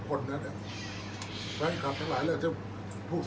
อันไหนที่มันไม่จริงแล้วอาจารย์อยากพูด